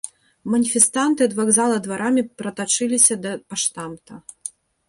Маніфестанты ад вакзала дварамі пратачыліся да паштамта.